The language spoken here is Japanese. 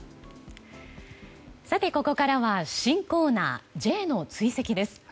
ここからは新コーナーＪの追跡です。